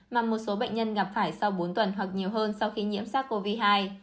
mà một số bệnh nhân gặp phải sau bốn tuần hoặc nhiều hơn sau khi nhiễm sắc covid hai